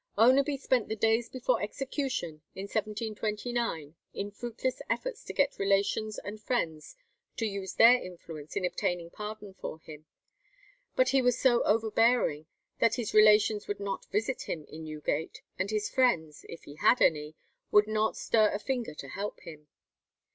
Oneby spent the days before execution, in 1729, in fruitless efforts to get relations and friends to use their influence in obtaining pardon for him. But he was so overbearing that his relations would not visit him in Newgate, and his friends, if he had any, would not stir a finger to help him.